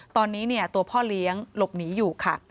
ตอนนี้ตัวพ่อเลี้ยงหลบหนีอยู่ค่ะ